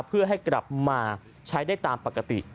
เพื่อให้กลับมาใช้ได้ตามปกติ